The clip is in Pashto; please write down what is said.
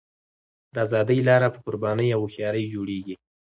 د ازادۍ لاره په قربانۍ او هوښیارۍ جوړېږي.